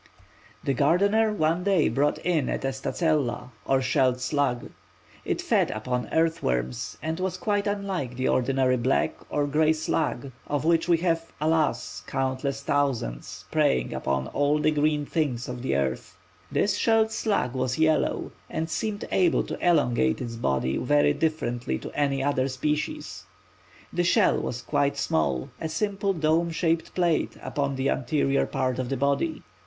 The gardener one day brought in a testacella, or shelled slug. It fed upon earth worms and was quite unlike the ordinary black or grey slug, of which we have, alas! countless thousands preying upon all the green things of the earth. This shelled slug was yellow, and seemed able to elongate its body very differently to any other species. The shell was quite small, a simple dome shaped plate upon the anterior part of the body.